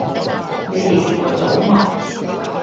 你哋食過早吂